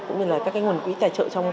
cũng như là các cái nguồn quỹ tài trợ